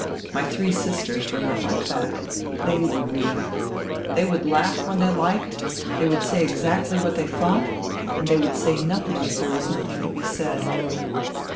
My three sisters were not like that. They were real. They would laugh when they liked ; they would say exactly what they thought ; and they would say nothing if there was nothing to be said.